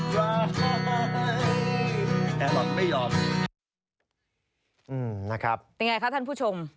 เห็นไงคะท่านผู้ชม